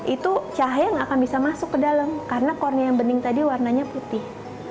itu cahaya nggak akan bisa masuk ke dalam karena cornea yang bening tadi warnanya putih